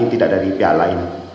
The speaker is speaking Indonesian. tidak dari pihak lain